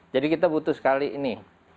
jadi kita butuh sekali ini